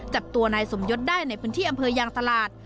จับตัวนายสมยศได้ในพื้นที่อำเภอยางตลาด